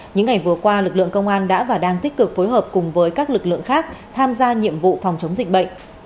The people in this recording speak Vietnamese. những ngày vừa qua lực lượng công an đã và đang tích cực phối hợp cùng với các lực lượng khác tham gia nhiệm vụ phòng chống dịch bệnh